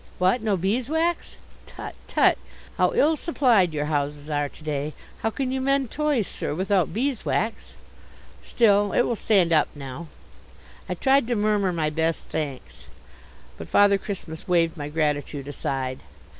What? No beeswax? Tut, tut, how ill supplied your houses are to day. How can you mend toys, sir, without beeswax? Still, it will stand up now." I tried to murmur by best thanks. But Father Christmas waved my gratitude aside.